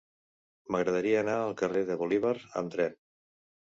M'agradaria anar al carrer de Bolívar amb tren.